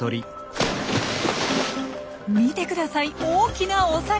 見てください大きなお魚！